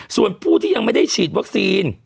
ส่วนผู้ที่ยังไม่ได้ฉีดวัคซีน